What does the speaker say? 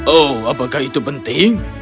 oh apakah itu penting